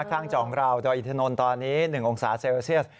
ข้างจองราวดรอิทธานนทร์ตอนนี้๑องศาเซลเซียส